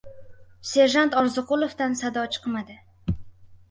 Serjant Orziqulovdan sado chiqmadi.